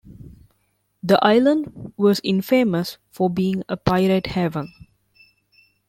The island was infamous for being a pirate haven.